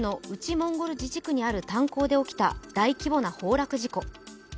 モンゴル自治区にある炭鉱で起きた大規模な崩落事故。